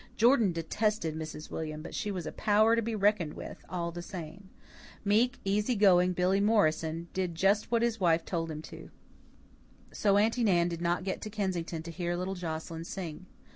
Jordan detested Mrs. William, but she was a power to be reckoned with, all the same. Meek, easy going Billy Morrison did just what his wife told him to. So Aunty Nan did not get to Kensington to hear little Joscelyn sing.